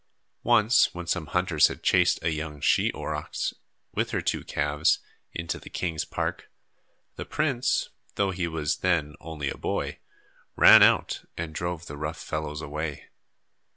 Once when some hunters had chased a young she aurochs, with her two calves, into the king's park, the prince, though he was then only a boy, ran out and drove the rough fellows away.